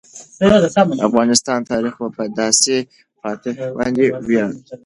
د افغانستان تاریخ په داسې فاتحانو باندې ویاړي.